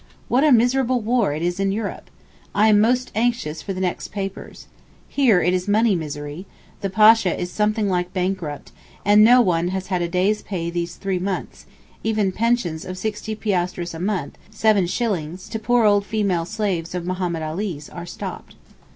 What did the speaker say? What a miserable war it is in Europe! I am most anxious for the next papers. Here it is money misery; the Pasha is something like bankrupt, and no one has had a day's pay these three months, even pensions of sixty piastres a month (seven shillings) to poor old female slaves of Mahommed Ali's are stopped.